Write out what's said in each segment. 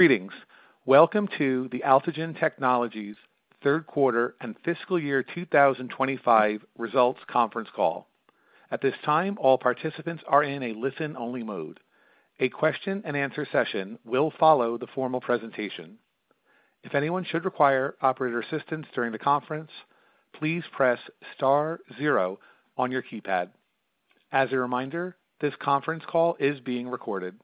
Greetings. Welcome to the AltiGen Technologies' third quarter and fiscal year 2025 results conference call. At this time, all participants are in a listen-only mode. A question-and-answer session will follow the formal presentation. If anyone should require operator assistance during the conference, please press *zero on your keypad. As a reminder, this conference call is being recorded.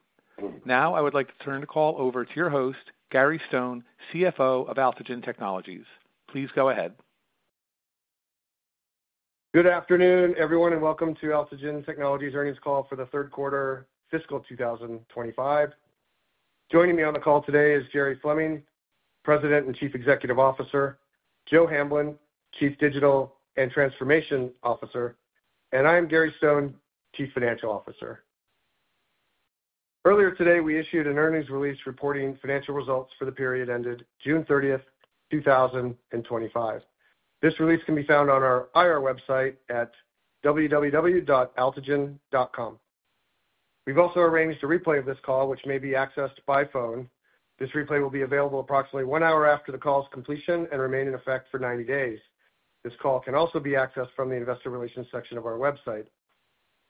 Now, I would like to turn the call over to your host, Gary Stone, CFO of AltiGen Technologies. Please go ahead. Good afternoon, everyone, and welcome to AltiGen Technologies' earnings call for the third quarter, fiscal 2025. Joining me on the call today is Jerry Fleming, President and Chief Executive Officer, Joe Hamblin, Chief Digital and Transformation Officer, and I'm Gary Stone, Chief Financial Officer. Earlier today, we issued an earnings release reporting financial results for the period ended June 30th, 2025. This release can be found on our IR website at www.altigen.com. We've also arranged a replay of this call, which may be accessed by phone. This replay will be available approximately one hour after the call's completion and remain in effect for 90 days. This call can also be accessed from the Investor Relations section of our website.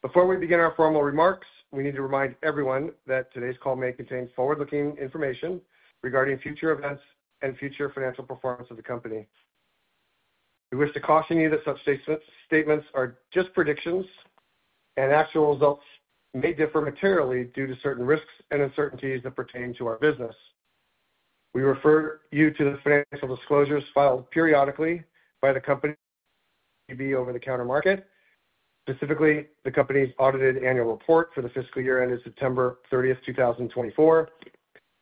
Before we begin our formal remarks, we need to remind everyone that today's call may contain forward-looking information regarding future events and future financial performance of the company. We wish to caution you that such statements are just predictions, and actual results may differ materially due to certain risks and uncertainties that pertain to our business. We refer you to the financial disclosures filed periodically by the company over the counter market, specifically the company's audited annual report for the fiscal year ended September 30th, 2024,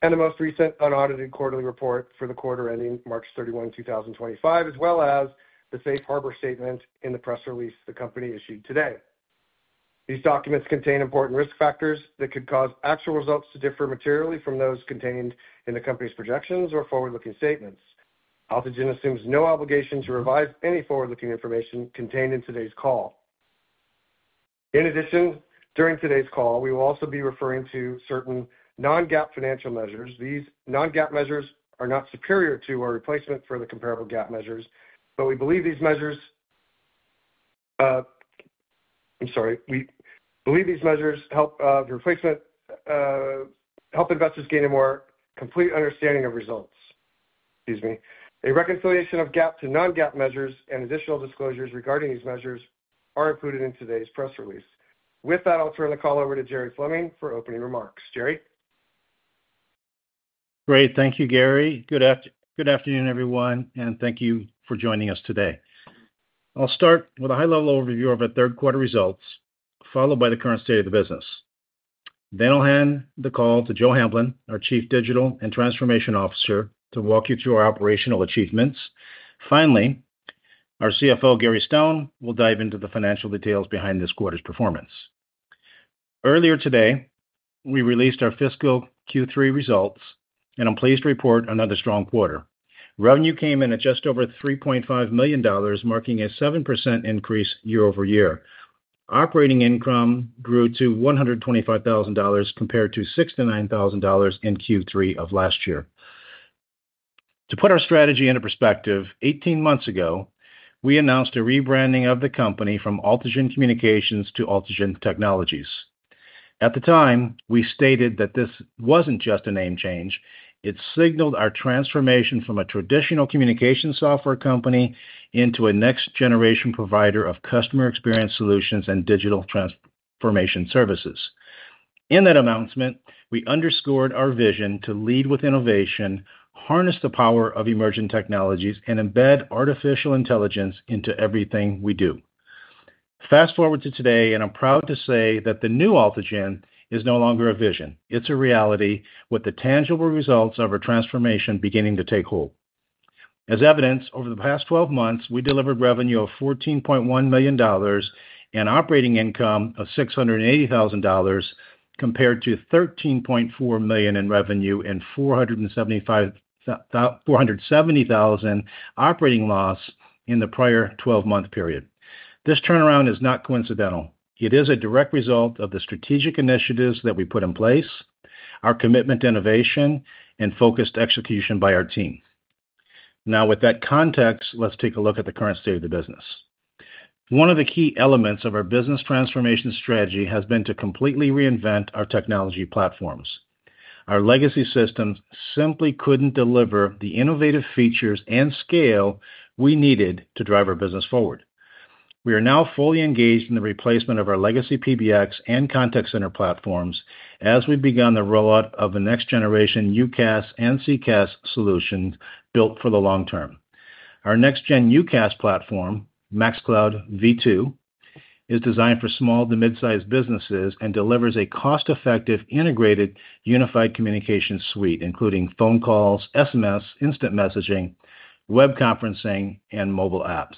and the most recent unaudited quarterly report for the quarter ending March 31, 2025, as well as the safe harbor statement in the press release the company issued today. These documents contain important risk factors that could cause actual results to differ materially from those contained in the company's projections or forward-looking statements. AltiGen assumes no obligation to revise any forward-looking information contained in today's call. In addition, during today's call, we will also be referring to certain non-GAAP financial measures. These non-GAAP measures are not superior to or replacement for the comparable GAAP measures, but we believe these measures help investors gain a more complete understanding of results. A reconciliation of GAAP to non-GAAP measures and additional disclosures regarding these measures are included in today's press release. With that, I'll turn the call over to Jerry Fleming for opening remarks. Jerry? Great. Thank you, Gary. Good afternoon, everyone, and thank you for joining us today. I'll start with a high-level overview of our third-quarter results, followed by the current state of the business. Then I'll hand the call to Joe Hamblin, our Chief Digital and Transformation Officer, to walk you through our operational achievements. Finally, our CFO, Gary Stone, will dive into the financial details behind this quarter's performance. Earlier today, we released our fiscal Q3 results, and I'm pleased to report another strong quarter. Revenue came in at just over $3.5 million, marking a 7% increase year-over-year. Operating income grew to $125,000 compared to $69,000 in Q3 of last year. To put our strategy into perspective, 18 months ago, we announced a rebranding of the company from AltiGen Communications to AltiGen Technologies. At the time, we stated that this wasn't just a name change; it signaled our transformation from a traditional communication software company into a next-generation provider of customer experience solutions and digital transformation services. In that announcement, we underscored our vision to lead with innovation, harness the power of emerging technologies, and embed artificial intelligence into everything we do. Fast forward to today, and I'm proud to say that the new AltiGen is no longer a vision; it's a reality with the tangible results of our transformation beginning to take hold. As evidence, over the past 12 months, we delivered revenue of $14.1 million and operating income of $680,000 compared to $13.4 million in revenue and $470,000 operating loss in the prior 12-month period. This turnaround is not coincidental. It is a direct result of the strategic initiatives that we put in place, our commitment to innovation, and focused execution by our team. Now, with that context, let's take a look at the current state of the business. One of the key elements of our business transformation strategy has been to completely reinvent our technology platforms. Our legacy systems simply couldn't deliver the innovative features and scale we needed to drive our business forward. We are now fully engaged in the replacement of our legacy PBX and contact center platforms as we've begun the rollout of the next-generation UCaaS and CCaaS solutions built for the long term. Our next-gen UCaaS platform, MaxCloud v2, is designed for small to mid-sized businesses and delivers a cost-effective, integrated, unified communication suite, including phone calls, SMS, instant messaging, web conferencing, and mobile apps,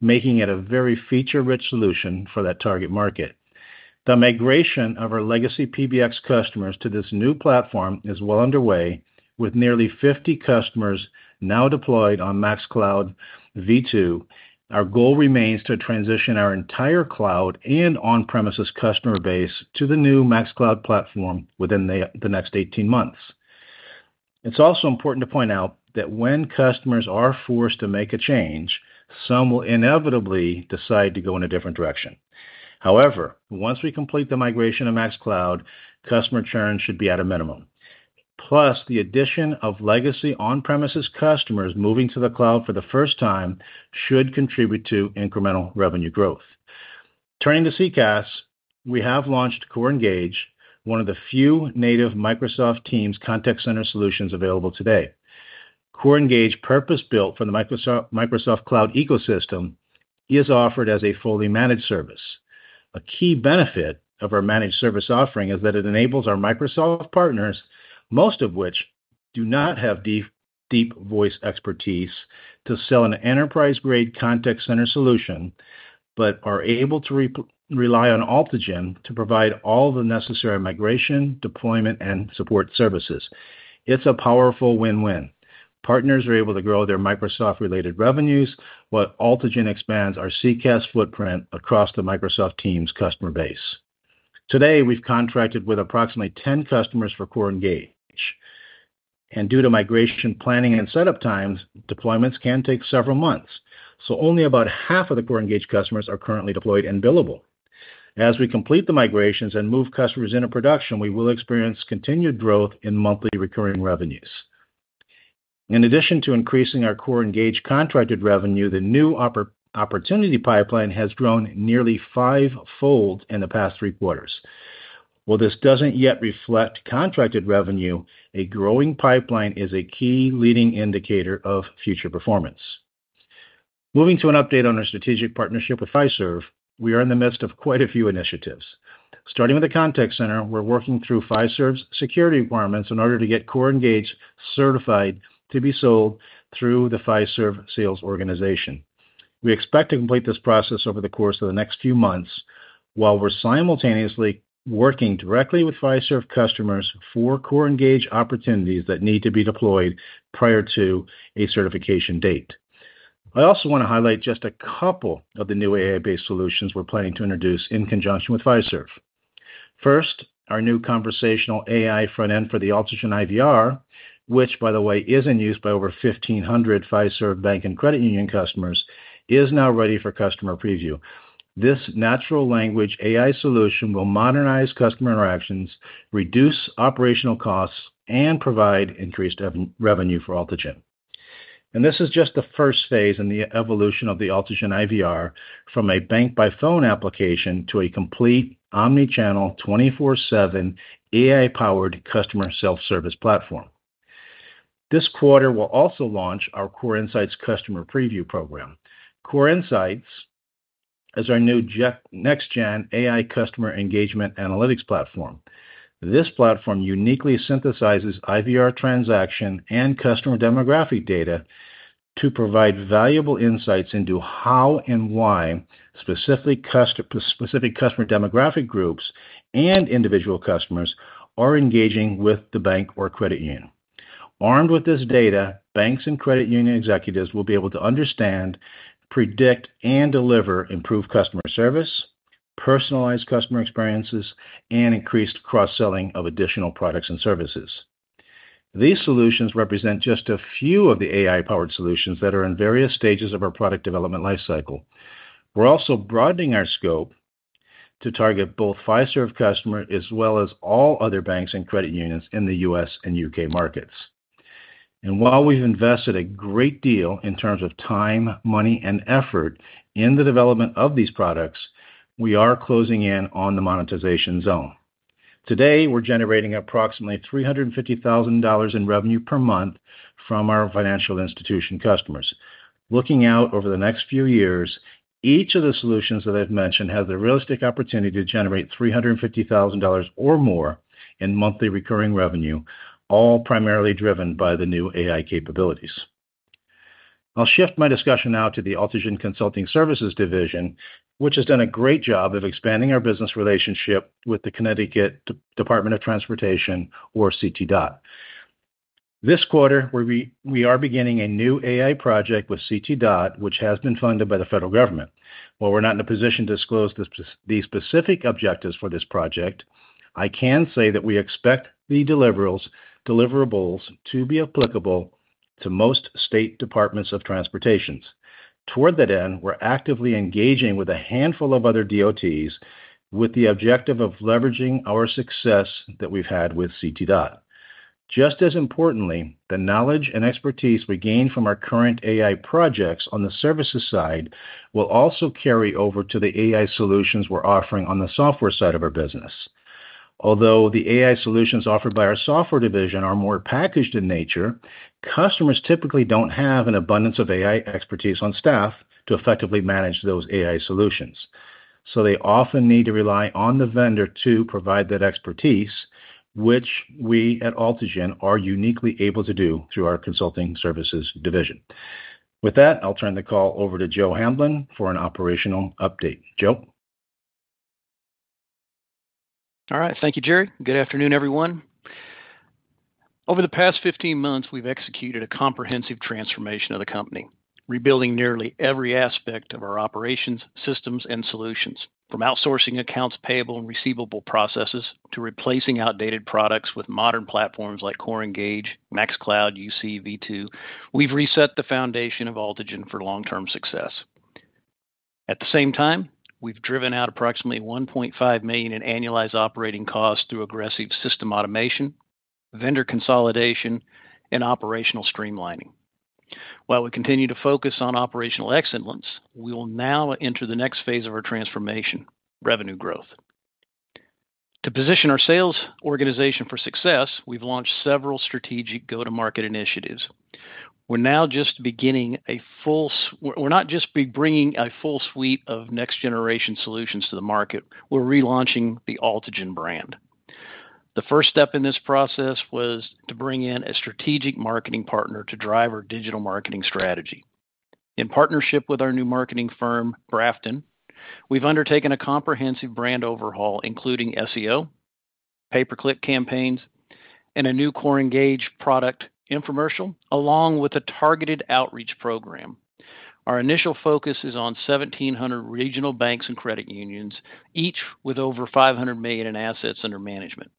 making it a very feature-rich solution for that target market. The migration of our legacy PBX customers to this new platform is well underway, with nearly 50 customers now deployed on MaxCloud v2. Our goal remains to transition our entire cloud and on-premises customer base to the new MaxCloud platform within the next 18 months. It's also important to point out that when customers are forced to make a change, some will inevitably decide to go in a different direction. However, once we complete the migration of MaxCloud, customer churn should be at a minimum. Plus, the addition of legacy on-premises customers moving to the cloud for the first time should contribute to incremental revenue growth. Turning to CCaaS, we have launched CoreEngage, one of the few native Microsoft Teams contact center solutions available today. CoreEngage, purpose-built for the Microsoft Cloud ecosystem, is offered as a fully managed service. A key benefit of our managed service offering is that it enables our Microsoft partners, most of which do not have deep voice expertise, to sell an enterprise-grade contact center solution but are able to rely on AltiGen to provide all the necessary migration, deployment, and support services. It's a powerful win-win. Partners are able to grow their Microsoft-related revenues, while AltiGen expands our CCaaS footprint across the Microsoft Teams customer base. Today, we've contracted with approximately 10 customers for CoreEngage. Due to migration planning and setup times, deployments can take several months. Only about half of the CoreEngage customers are currently deployed and billable. As we complete the migrations and move customers into production, we will experience continued growth in monthly recurring revenues. In addition to increasing our CoreEngage contracted revenue, the new opportunity pipeline has grown nearly five-fold in the past three quarters. While this doesn't yet reflect contracted revenue, a growing pipeline is a key leading indicator of future performance. Moving to an update on our strategic partnership with Fiserv, we are in the midst of quite a few initiatives. Starting with the contact center, we're working through Fiserv's security requirements in order to get CoreEngage certified to be sold through the Fiserv sales organization. We expect to complete this process over the course of the next few months, while we're simultaneously working directly with Fiserv customers for CoreEngage opportunities that need to be deployed prior to a certification date. I also want to highlight just a couple of the new AI-based solutions we're planning to introduce in conjunction with Fiserv. First, our new conversational AI front-end for the AltiGen IVR, which, by the way, is in use by over 1,500 Fiserv bank and credit union customers, is now ready for customer preview. This natural language AI solution will modernize customer interactions, reduce operational costs, and provide increased revenue for Altigen. This is just the first phase in the evolution of the AltiGen IVR from a bank-by-phone application to a complete omnichannel, 24/7 AI-powered customer self-service platform. This quarter, we'll also launch our Core Insights customer preview program. Core Insights is our new next-gen AI customer engagement analytics platform. This platform uniquely synthesizes IVR transaction and customer demographic data to provide valuable insights into how and why specific customer demographic groups and individual customers are engaging with the bank or credit union. Armed with this data, banks and credit union executives will be able to understand, predict, and deliver improved customer service, personalized customer experiences, and increased cross-selling of additional products and services. These solutions represent just a few of the AI-powered solutions that are in various stages of our product development lifecycle. We're also broadening our scope to target both Fiserv customers as well as all other banks and credit unions in the U.S. and U.K. markets. While we've invested a great deal in terms of time, money, and effort in the development of these products, we are closing in on the monetization zone. Today, we're generating approximately $350,000 in revenue per month from our financial institution customers. Looking out over the next few years, each of the solutions that I've mentioned has the realistic opportunity to generate $350,000 or more in monthly recurring revenue, all primarily driven by the new AI capabilities. I'll shift my discussion now to the AltiGen Consulting Services Division, which has done a great job of expanding our business relationship with the Connecticut Department of Transportation, or CTDOT. This quarter, we are beginning a new AI project with CTDOT, which has been funded by the federal government. While we're not in a position to disclose the specific objectives for this project, I can say that we expect the deliverables to be applicable to most state departments of transportation. Toward that end, we're actively engaging with a handful of other DOTs with the objective of leveraging our success that we've had with CTDOT. Just as importantly, the knowledge and expertise we gain from our current AI projects on the services side will also carry over to the AI solutions we're offering on the software side of our business. Although the AI solutions offered by our software division are more packaged in nature, customers typically don't have an abundance of AI expertise on staff to effectively manage those AI solutions. They often need to rely on the vendor to provide that expertise, which we at AltiGen are uniquely able to do through our consulting services division. With that, I'll turn the call over to Joe Hamblin for an operational update. Joe? All right. Thank you, Jerry. Good afternoon, everyone. Over the past 15 months, we've executed a comprehensive transformation of the company, rebuilding nearly every aspect of our operations, systems, and solutions. From outsourcing accounts payable and receivable processes to replacing outdated products with modern platforms like CoreEngage, MaxCloud v2, we've reset the foundation of AltiGen for long-term success. At the same time, we've driven out approximately $1.5 million in annualized operating costs through aggressive system automation, vendor consolidation, and operational streamlining. While we continue to focus on operational excellence, we will now enter the next phase of our transformation: revenue growth. To position our sales organization for success, we've launched several strategic go-to-market initiatives. We're not just bringing a full suite of next-generation solutions to the market; we're relaunching the AltiGen Communications brand. The first step in this process was to bring in a strategic marketing partner to drive our digital marketing strategy. In partnership with our new marketing firm, Grafton, we've undertaken a comprehensive brand overhaul, including SEO, pay-per-click campaigns, and a new CoreEngage product infomercial, along with a targeted outreach program. Our initial focus is on 1,700 regional banks and credit unions, each with over $500 million in assets under management.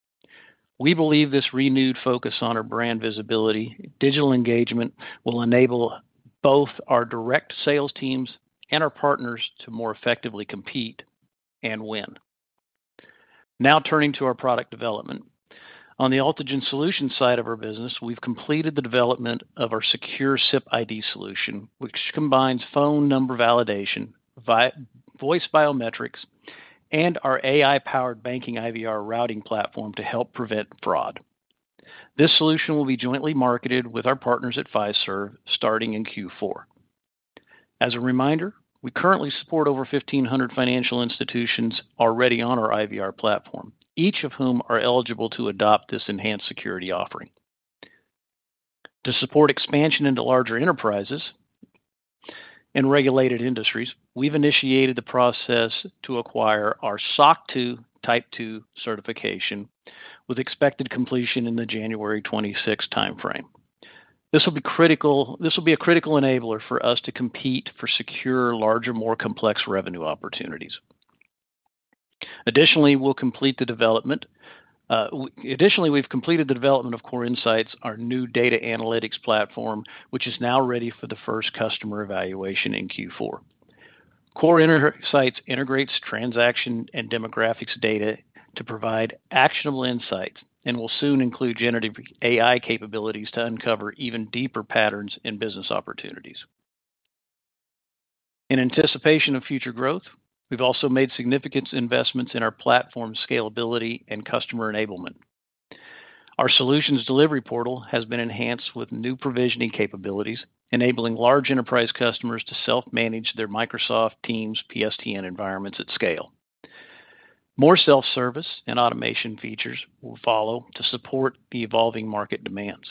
We believe this renewed focus on our brand visibility and digital engagement will enable both our direct sales teams and our partners to more effectively compete and win. Now turning to our product development. On the AltiGen Communications solution side of our business, we've completed the development of our secure SIP ID solution, which combines phone number validation, voice biometrics, and our AI-powered banking IVR routing platform to help prevent fraud. This solution will be jointly marketed with our partners at Fiserv, starting in Q4. As a reminder, we currently support over 1,500 financial institutions already on our IVR platform, each of whom are eligible to adopt this enhanced security offering. To support expansion into larger enterprises and regulated industries, we've initiated the process to acquire our SOC 2 Type 2 certification, with expected completion in the January 2026 timeframe. This will be a critical enabler for us to compete for secure, larger, more complex revenue opportunities. Additionally, we've completed the development of Core Insights, our new data analytics platform, which is now ready for the first customer evaluation in Q4. Core Insights integrates transaction and demographics data to provide actionable insights and will soon include generative AI capabilities to uncover even deeper patterns in business opportunities. In anticipation of future growth, we've also made significant investments in our platform's scalability and customer enablement. Our solutions delivery portal has been enhanced with new provisioning capabilities, enabling large enterprise customers to self-manage their Microsoft Teams PSTN environments at scale. More self-service and automation features will follow to support the evolving market demands.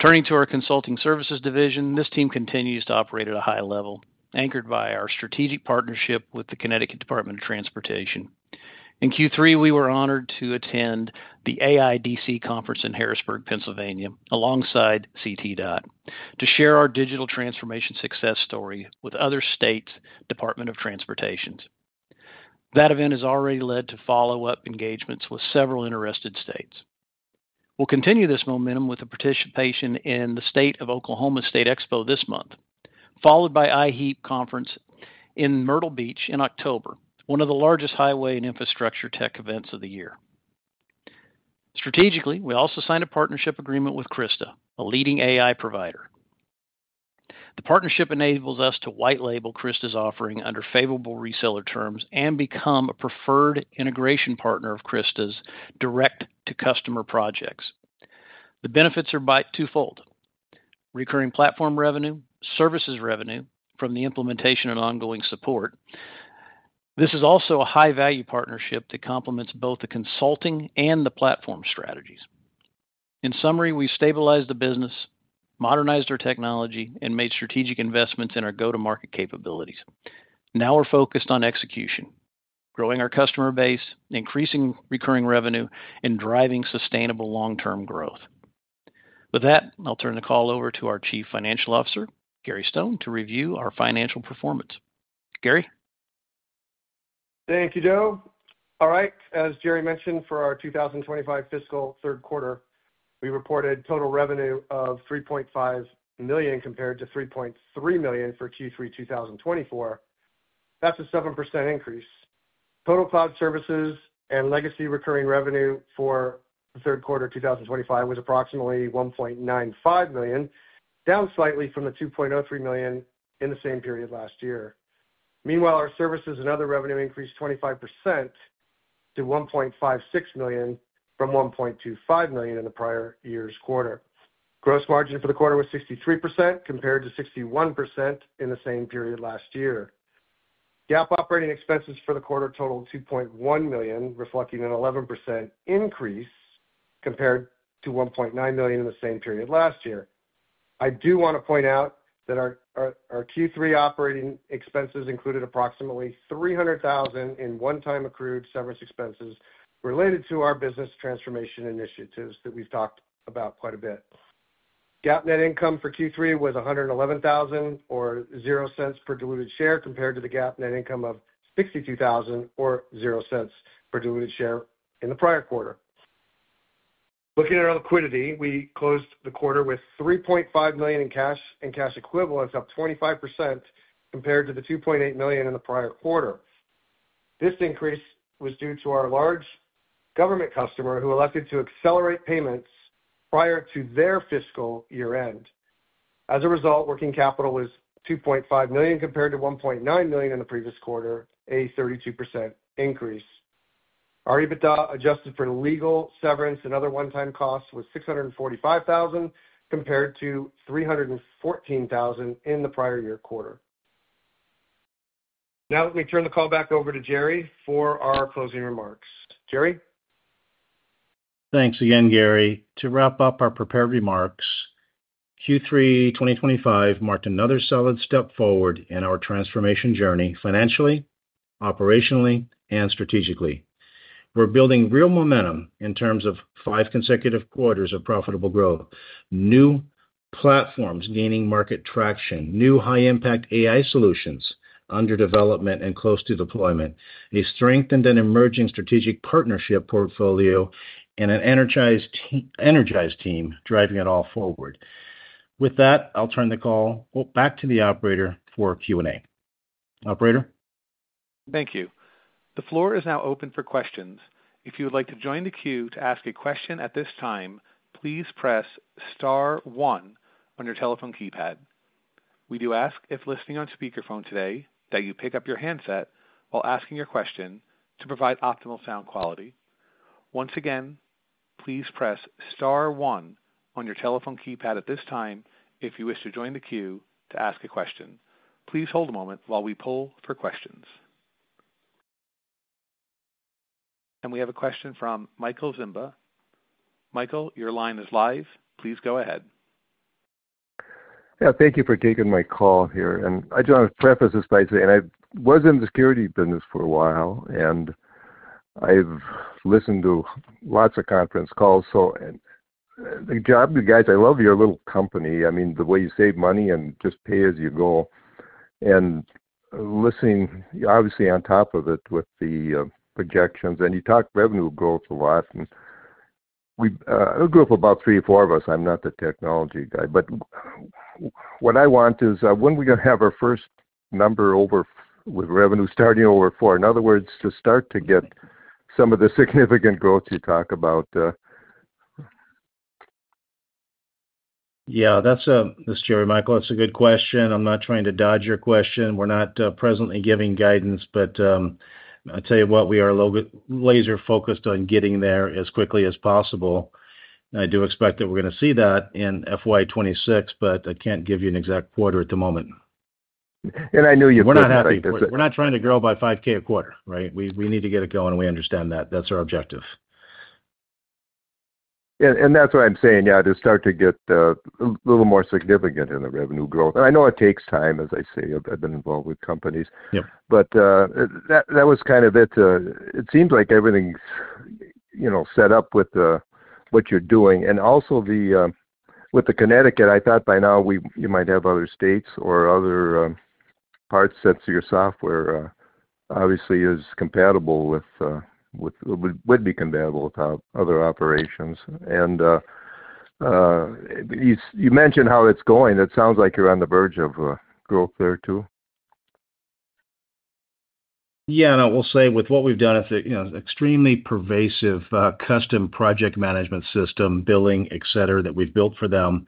Turning to our consulting services division, this team continues to operate at a high level, anchored by our strategic partnership with the Connecticut Department of Transportation. In Q3, we were honored to attend the AIDC conference in Harrisburg, Pennsylvania, alongside CTDOT, to share our digital transformation success story with other states' Department of Transportation. That event has already led to follow-up engagements with several interested states. We'll continue this momentum with the participation in the state of Oklahoma State Expo this month, followed by IHEAP conference in Myrtle Beach in October, one of the largest highway and infrastructure tech events of the year. Strategically, we also signed a partnership agreement with Krista, a leading AI provider. The partnership enables us to white label Krista's offering under favorable reseller terms and become a preferred integration partner of Krista's direct-to-customer projects. The benefits are twofold: recurring platform revenue, services revenue from the implementation, and ongoing support. This is also a high-value partnership that complements both the consulting and the platform strategies. In summary, we've stabilized the business, modernized our technology, and made strategic investments in our go-to-market capabilities. Now we're focused on execution, growing our customer base, increasing recurring revenue, and driving sustainable long-term growth. With that, I'll turn the call over to our Chief Financial Officer, Gary Stone, to review our financial performance. Gary? Thank you, Joe. All right. As Jerry mentioned, for our 2025 fiscal third quarter, we reported total revenue of $3.5 million compared to $3.3 million for Q3 2024. That's a 7% increase. Total cloud services and legacy recurring revenue for the third quarter of 2025 was approximately $1.95 million, down slightly from the $2.03 million in the same period last year. Meanwhile, our services and other revenue increased 25% to $1.56 million from $1.25 million in the prior year's quarter. Gross margin for the quarter was 63% compared to 61% in the same period last year. GAAP operating expenses for the quarter totaled $2.1 million, reflecting an 11% increase compared to $1.9 million in the same period last year. I do want to point out that our Q3 operating expenses included approximately $300,000 in one-time accrued service expenses related to our business transformation initiatives that we've talked about quite a bit. GAAP net income for Q3 was $111,000 or $0.00 per diluted share compared to the GAAP net income of $62,000 or $0.00 per diluted share in the prior quarter. Looking at our liquidity, we closed the quarter with $3.5 million in cash and cash equivalents, up 25% compared to the $2.8 million in the prior quarter. This increase was due to our large government customer who elected to accelerate payments prior to their fiscal year end. As a result, working capital was $2.5 million compared to $1.9 million in the previous quarter, a 32% increase. Our EBITDA adjusted for legal severance and other one-time costs was $645,000 compared to $314,000 in the prior year quarter. Now, let me turn the call back over to Jerry for our closing remarks. Jerry? Thanks again, Gary. To wrap up our prepared remarks, Q3 2025 marked another solid step forward in our transformation journey financially, operationally, and strategically. We're building real momentum in terms of five consecutive quarters of profitable growth, new platforms gaining market traction, new high-impact AI solutions under development and close to deployment, a strengthened and emerging strategic partnership portfolio, and an energized team driving it all forward. With that, I'll turn the call back to the operator for Q&A. Operator? Thank you. The floor is now open for questions. If you would like to join the queue to ask a question at this time, please press *one on your telephone keypad. We do ask if listening on speakerphone today that you pick up your handset while asking your question to provide optimal sound quality. Once again, please press * one on your telephone keypad at this time if you wish to join the queue to ask a question. Please hold a moment while we pull for questions. We have a question from Michael Zimba. Michael, your line is live. Please go ahead. Yeah, thank you for taking my call here. I just want to preface this by saying I was in the security business for a while, and I've listened to lots of conference calls. The job you guys, I love your little company. I mean, the way you save money and just pay as you go. Listening, you're obviously on top of it with the projections. You talk revenue growth a lot. We grew up about three or four of us. I'm not the technology guy. What I want is when we're going to have our first number over with revenue starting over four. In other words, to start to get some of the significant growth you talk about. Yeah, that's a good question. I'm not trying to dodge your question. We're not presently giving guidance, but I'll tell you what, we are laser focused on getting there as quickly as possible. I do expect that we're going to see that in FY 2026, but I can't give you an exact quarter at the moment. I know you're trying to. We're not happy. We're not trying to grow by $5,000 a quarter, right? We need to get it going. We understand that. That's our objective. That's what I'm saying, yeah, to start to get a little more significant in the revenue growth. I know it takes time, as I say. I've been involved with companies. Yeah, that was kind of it. It seems like everything's set up with what you're doing. Also, with the Connecticut Department of Transportation, I thought by now you might have other states or other parts sets of your software, obviously, is compatible with, would be compatible with other operations. You mentioned how it's going. It sounds like you're on the verge of growth there too. Yeah, I will say with what we've done, it's an extremely pervasive custom project management system, billing, etc., that we've built for them.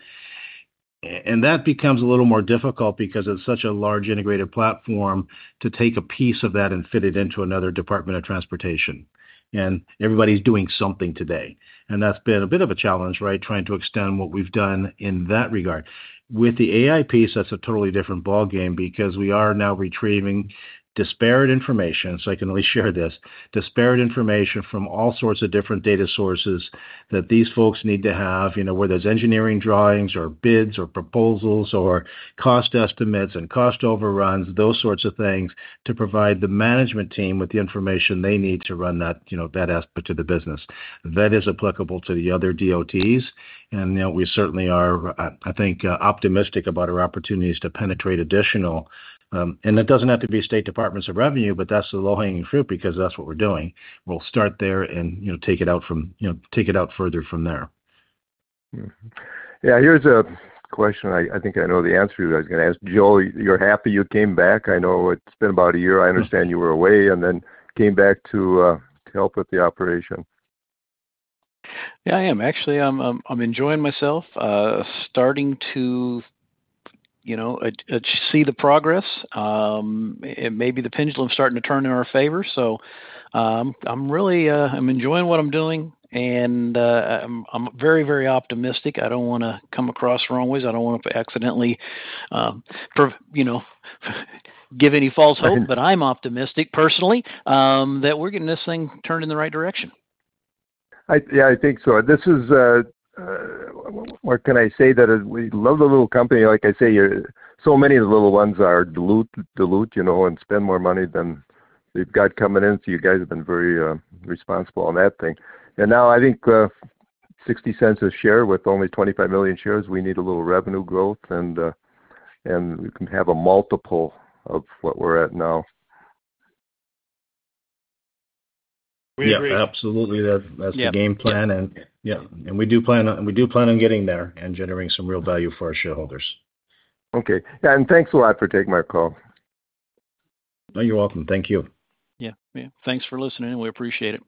That becomes a little more difficult because it's such a large integrated platform to take a piece of that and fit it into another Department of Transportation. Everybody's doing something today. That's been a bit of a challenge, trying to extend what we've done in that regard. With the AI piece, that's a totally different ballgame because we are now retrieving disparate information. I can at least share this, disparate information from all sorts of different data sources that these folks need to have, you know, whether it's engineering drawings or bids or proposals or cost estimates and cost overruns, those sorts of things to provide the management team with the information they need to run that aspect of the business. That is applicable to the other DOTs. We certainly are, I think, optimistic about our opportunities to penetrate additional. It doesn't have to be state departments of revenue, but that's the low-hanging fruit because that's what we're doing. We'll start there and take it out further from there. Yeah, here's a question. I think I know the answer to it. I was going to ask Joe, you're happy you came back? I know it's been about a year. I understand you were away and then came back to help with the operation. Yeah, I am. Actually, I'm enjoying myself, starting to see the progress. Maybe the pendulum is starting to turn in our favor. I'm really enjoying what I'm doing, and I'm very, very optimistic. I don't want to come across wrong ways. I don't want to accidentally give any false hope, but I'm optimistic personally that we're getting this thing turned in the right direction. I think so. This is, what can I say, that we love the little company. Like I say, so many of the little ones are dilute, dilute, you know, and spend more money than they've got coming in. You guys have been very responsible on that thing. I think $0.60 a share with only 25 million shares, we need a little revenue growth, and we can have a multiple of what we're at now. Yeah, absolutely. That's the game plan. We do plan on getting there and generating some real value for our shareholders. Okay, thank you for taking my call. Oh, you're welcome. Thank you. Thank you for listening, and we appreciate it.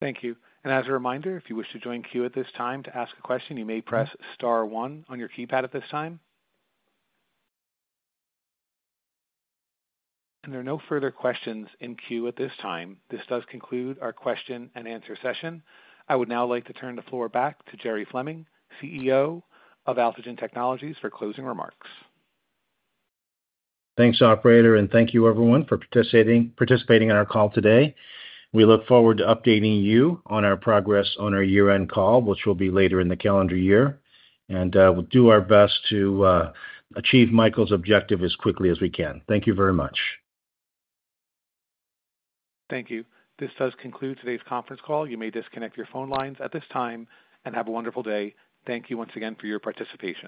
Thank you. As a reminder, if you wish to join the queue at this time to ask a question, you may press *one on your keypad at this time. There are no further questions in queue at this time. This does conclude our question and answer session. I would now like to turn the floor back to Jerry Fleming, CEO of AltiGen Technologies, for closing remarks. Thanks, operator, and thank you, everyone, for participating in our call today. We look forward to updating you on our progress on our year-end call, which will be later in the calendar year. We'll do our best to achieve Michael's objective as quickly as we can. Thank you very much. Thank you. This does conclude today's conference call. You may disconnect your phone lines at this time and have a wonderful day. Thank you once again for your participation.